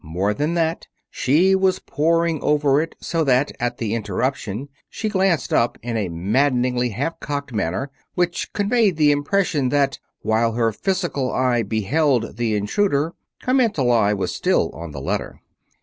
More than that, she was poring over it so that, at the interruption, she glanced up in a maddeningly half cocked manner which conveyed the impression that, while her physical eye beheld the intruder, her mental eye was still on the letter.